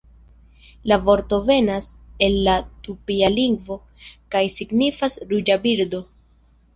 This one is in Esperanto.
La vorto venas el la tupia lingvo kaj signifas "ruĝa birdo".